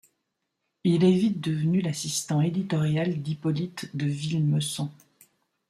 Il est vite devenu l'assistant éditorial d'Hippolyte de Villemessant.